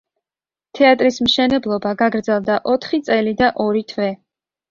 თეატრის მშენებლობა გაგრძელდა ოთხი წელი და ორი თვე.